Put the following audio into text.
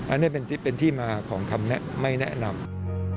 อันนี้เป็นที่มาของคำไม่แนะนำ